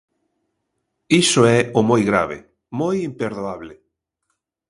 Iso é o moi grave, moi imperdoable.